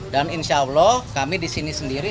dan insya allah kami disini sendiri